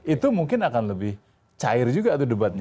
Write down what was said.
itu mungkin akan lebih cair juga tuh debatnya